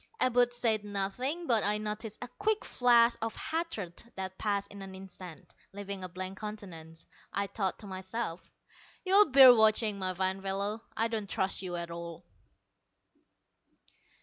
Abud said nothing, but I noticed a quick flash of hatred that passed in an instant, leaving a blank countenance. I thought to myself, "You'll bear watching, my fine fellow. I don't trust you at all."